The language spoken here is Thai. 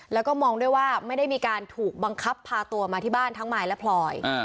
แล้วก็มองด้วยว่าไม่ได้มีการถูกบังคับพาตัวมาที่บ้านทั้งมายและพลอย